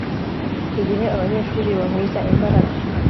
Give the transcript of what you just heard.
Ibihe abanyeshuri bahuza imbaraga